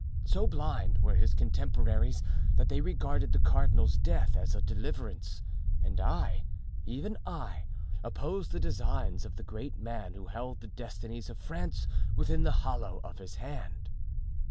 So blind were his contemporaries that they regarded the cardinal's death as a deliverance; and I, even I, opposed the designs of the great man who held the destinies of France within the hollow of his hand.